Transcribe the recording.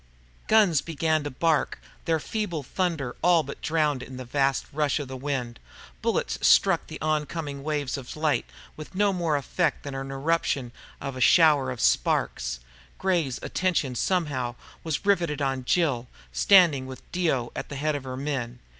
Guns began to bark, their feeble thunder all but drowned in the vast rush of the wind. Bullets struck the oncoming waves of light with no more effect than the eruption of a shower of sparks. Gray's attention, somehow, was riveted on Jill, standing with Dio at the head of her men.